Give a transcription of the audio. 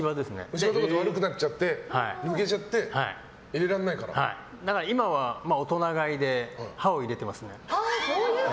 虫歯がどんどん悪くなっちゃって抜けちゃって今は大人買いで歯を入れていますね。